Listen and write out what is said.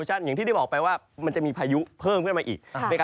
อย่างที่ได้บอกไปว่ามันจะมีพายุเพิ่มขึ้นมาอีก